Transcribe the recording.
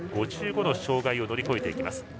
５５の障害を乗り越えていきます。